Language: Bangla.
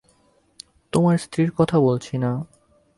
তোমার স্ত্রীর কথা বলছি না।